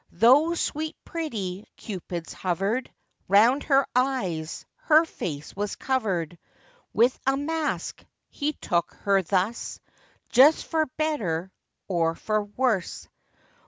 Though sweet pretty Cupids hovered Round her eyes, her face was covered With a mask,—he took her thus, Just for better or for worse.